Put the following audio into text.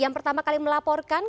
yang pertama kali melaporkan